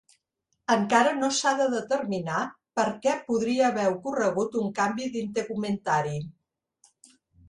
Encara no s'ha de determinar per què podria haver ocorregut un canvi d'integumentari.